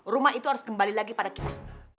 rumah itu harus kembali lagi pada kita